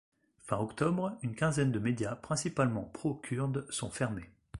Fin octobre, une quinzaine de média principalement pro-Kurde sont fermés.